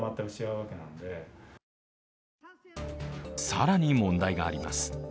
更に問題があります。